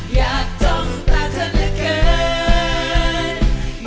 อยากต้องแต่ทั้งละเกิน